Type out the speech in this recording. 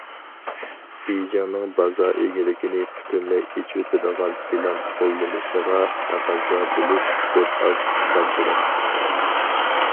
بېيجىڭنىڭ بازار ئىگىلىكىنى پۈتۈنلەي ئېچىۋېتىدىغان پىلان قوللىنىشىغا تەقەززا بولۇش بىر ئاز ساددىلىق.